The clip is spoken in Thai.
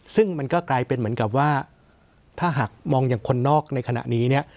ซึ่งมันก็กลายเป็นเหมือนกับว่าถ้าหากมองอย่างคนนอกในขณะนี้เนี่ย